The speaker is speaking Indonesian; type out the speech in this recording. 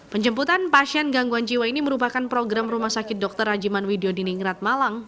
penjemputan pasien gangguan jiwa ini merupakan program rumah sakit dr rajiman widyo diningrat malang